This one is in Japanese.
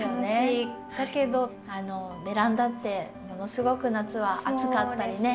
だけどベランダってものすごく夏は暑かったりね。